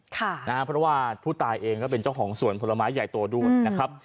เพราะว่าผู้ตายเองก็เป็นเจ้าของสวนผลไม้ใหญ่โตด้วยนะครับ